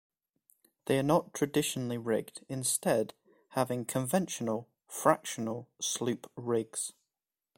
They are not traditionally rigged, instead having conventional fractional sloop rigs.